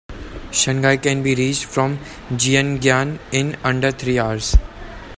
Shanghai can be reached from Jiangyan in under three hours.